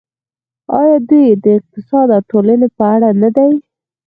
آیا دوی د اقتصاد او ټولنې په اړه نه دي؟